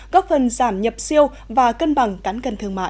góp phần giảm nhập siêu và cân bằng cán cân thương mại